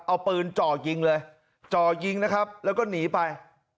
เอาปืนจ่อยิงเลยจ่อยิงนะครับแล้วก็หนีไป